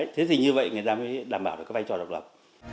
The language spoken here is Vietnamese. thế thì như vậy người ta mới đảm bảo được cái vai trò độc lập